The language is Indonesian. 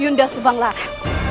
yunda subang lara